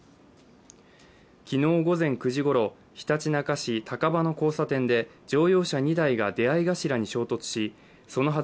昨日午前９時ごろひたちなか市高場の交差点で乗用車２台が出合い頭に衝突しうち